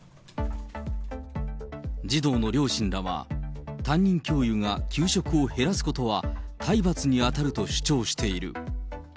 児童の両親らは、担任教諭が給食を減らすことは体罰に当たると主張している。